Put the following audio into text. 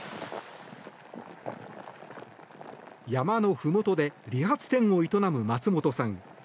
山のふもとで理髪店を営む松本さん。